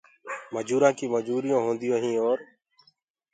مجورآن ڪي مجوريون هونديون هين اور